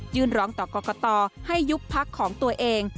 ร้องต่อกรกตให้ยุบพักของตัวเอง